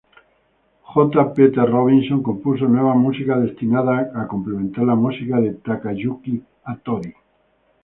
J. Peter Robinson compuso nueva música destinada a complementar la música de Takayuki Hattori.